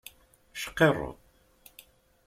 Cqirru.